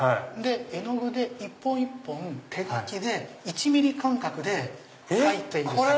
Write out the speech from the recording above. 絵の具で一本一本手描きで１ｍｍ間隔で描いてる。